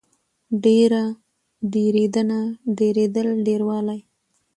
ډېر، ډېرېدنه، ډېرېدل، ډېروالی